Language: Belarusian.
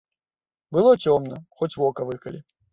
Было цёмна, хоць вока выкалі.